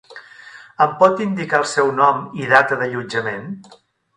Em pot indicar el seu nom i data d'allotjament?